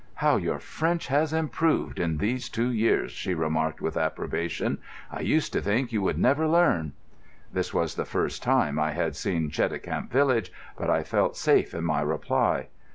"How your French has improved in these two years," she remarked with approbation. "I used to think you would never learn." This was the first time I had seen Cheticamp village, but I felt safe in my reply.